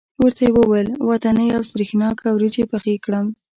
ورته یې وویل وطنۍ او سرېښناکه وریجې پخې کړم.